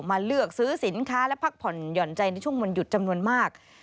มาเลือกซื้อสินค้าและพักผ่อนหย่อนใจในช่วงวันหยุดจำนวนมาก